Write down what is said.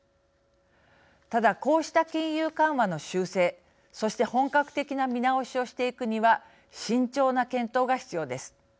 ただ、こうした金融緩和の修正そして本格的な見直しをしていくには慎重な検討が必要です。